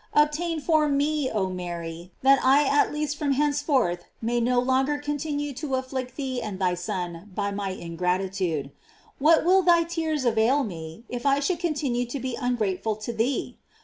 Obtain for me, oh Mary, that I at least from henceforth may no longer continue to afflict thee and thy Son by my ingratitude. What will thy tears avail me if I should continue to be ungrateful to thee?